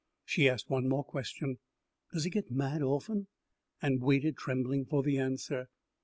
She asked one more question, "Does he get mad often?" and waited, trembling, for the answer.